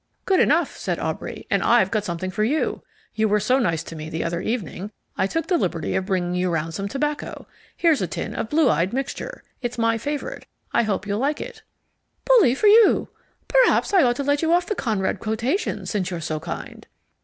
"Good enough," said Aubrey. "And I've got something for you. You were so nice to me the other evening I took the liberty of bringing you round some tobacco. Here's a tin of Blue Eyed Mixture, it's my favourite. I hope you'll like it." "Bully for you. Perhaps I ought to let you off the Conrad quotation since you're so kind."